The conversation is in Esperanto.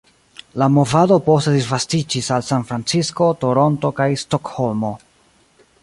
La movado poste disvastiĝis al Sanfrancisko, Toronto, kaj Stokholmo.